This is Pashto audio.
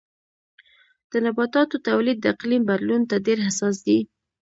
د نباتاتو تولید د اقلیم بدلون ته ډېر حساس دی.